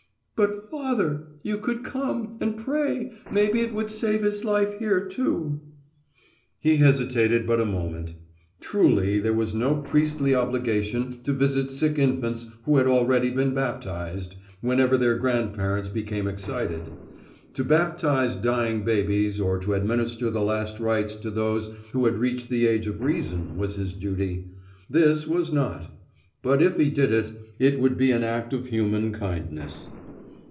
"But Father, if you could come, and pray, maybe it would save his life here, too." He hesitated but a moment. Truly there was no priestly obligation to visit sick infants who had already been baptized, whenever their grandparents became excited. To baptize dying babies or to administer the last rites to those who had reached the age of reason was his duty. This was not. But if he did it, it would be an act of human kindness.